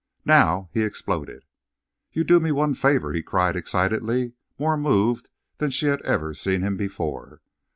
Now he exploded. "You do me one favor," he cried excitedly, more moved than she had ever seen him before.